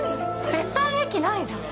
絶対駅ないじゃん。